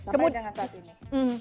sampai dengan saat ini